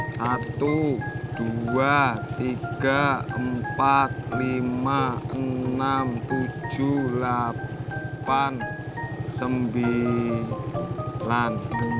satu dua tiga empat lima enam tujuh delapan sembilan